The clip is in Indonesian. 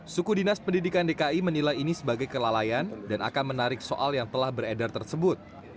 suku dinas pendidikan dki menilai ini sebagai kelalaian dan akan menarik soal yang telah beredar tersebut